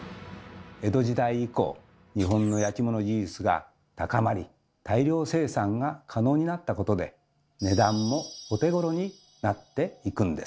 江戸時代以降日本の焼き物技術が高まり大量生産が可能になったことで値段もお手ごろになっていくんです。